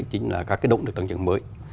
chính là các động lực tăng trưởng mới